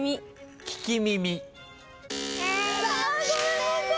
ごめんなさい！